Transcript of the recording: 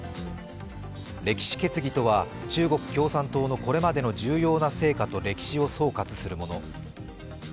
歴史決議とは中国共産党のこれまでの重要な成果と歴史を総括するもの。